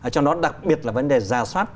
cho nó đặc biệt là vấn đề ra soát